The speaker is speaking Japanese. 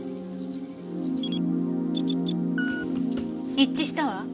一致したわ。